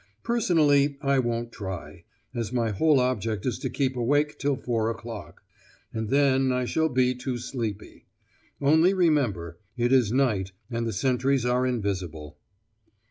Personally I won't try, as my whole object is to keep awake till four o'clock. And then I shall be too sleepy. Only remember, it is night and the sentries are invisible.